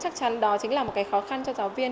chắc chắn đó chính là một cái khó khăn cho giáo viên